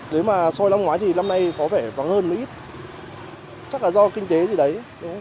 nếu mà so với năm ngoái thì năm nay có vẻ vắng hơn một ít chắc là do kinh tế gì đấy